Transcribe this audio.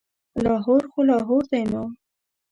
لاهور خو لاهور دی نو.